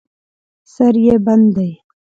سر یې بند دی.